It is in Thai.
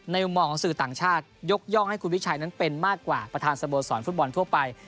มุมมองของสื่อต่างชาติยกย่องให้คุณวิชัยนั้นเป็นมากกว่าประธานสโมสรฟุตบอลทั่วไป